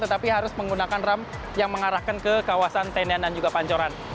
tetapi harus menggunakan ram yang mengarahkan ke kawasan tenen dan juga pancoran